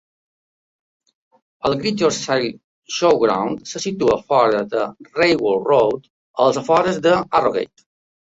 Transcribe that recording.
El Great Yorkshire Showground se situa fora de Railway Road, als afores de Harrogate.